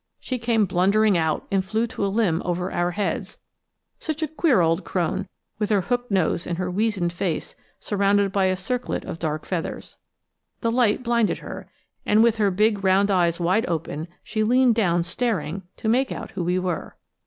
She came blundering out and flew to a limb over our heads such a queer old crone, with her hooked nose and her weazened face surrounded by a circlet of dark feathers. The light blinded her, and with her big round eyes wide open she leaned down staring to make out who we were.